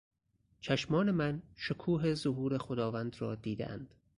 چشمان من شکوه ظهور خداوند را دیدهاند...